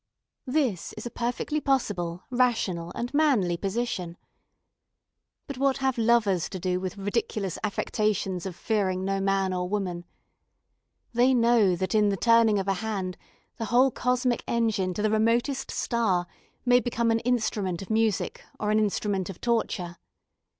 This is a perfectly possible, rational and manly position. But what have lovers to do with ridiculous affectations of fearing no man or woman? They know that in the turning of a hand the whole cosmic engine to the remotest star may become an instrument of music or an instrument of torture.